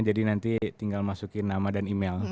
jadi nanti tinggal masukin nama dan email